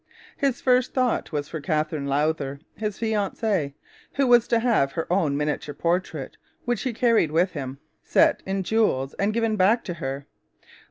His first thought was for Katherine Lowther, his fiancee, who was to have her own miniature portrait, which he carried with him, set in jewels and given back to her.